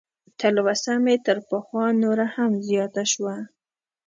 تلوسه مې تر پخوا نوره هم زیاته شوه.